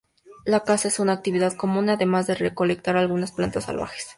La caza es una actividad común además de recolectar algunas plantas salvajes.